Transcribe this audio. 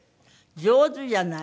上手じゃない。